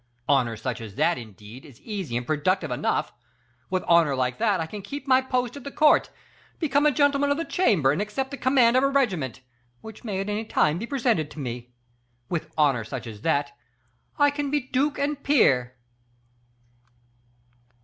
Honor such as that indeed, is easy and productive enough. With honor like that, I can keep my post at the court, become a gentleman of the chamber, and accept the command of a regiment, which may at any time be presented to me. With honor such as that, I can be duke and peer.